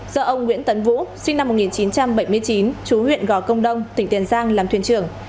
do ông nguyễn tấn vũ sinh năm một nghìn chín trăm bảy mươi chín chú huyện gò công đông tỉnh tiền giang làm thuyền trưởng